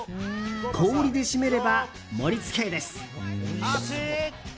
氷で締めれば盛り付けです。